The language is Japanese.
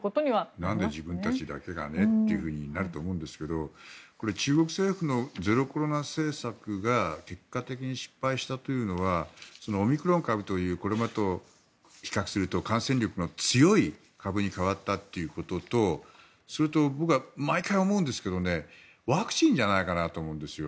何で自分たちだけが給付金がないというふうになると思うんですけど中国政府のゼロコロナ政策が失敗したというのはオミクロン株というものと比較すると感染力が強い株に代わったということと僕は毎回思っているのはワクチンじゃないかなと思うんですよね。